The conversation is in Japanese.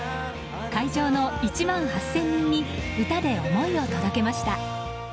会場の１万８０００人に歌で思いを届けました。